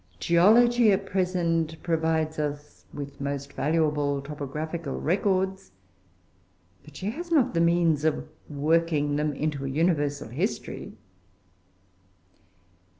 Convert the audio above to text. Geology at present provides us with most valuable topographical records, but she has not the means of working them into a universal history.